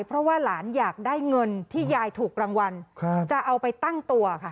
เพราะว่าหลานอยากได้เงินที่ยายถูกรางวัลจะเอาไปตั้งตัวค่ะ